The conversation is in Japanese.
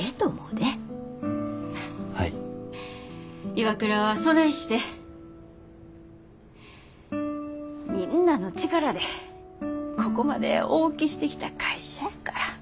ＩＷＡＫＵＲＡはそないしてみんなの力でここまで大きしてきた会社やから。